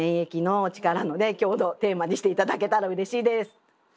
今日のテーマにしていただけたらうれしいです。